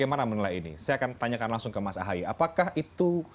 yang ditanyakan langsung ke mas ahaye apakah itu